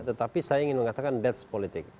tetapi saya ingin mengatakan batch politik